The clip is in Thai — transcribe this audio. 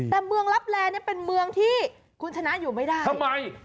แต่เมืองลับแลเนี่ยเป็นเมืองที่คุณชนะอยู่ไม่ได้ทำไม